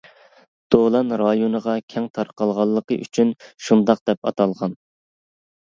دولان رايونىغا كەڭ تارقالغانلىقى ئۈچۈن شۇنداق دەپ ئاتالغان.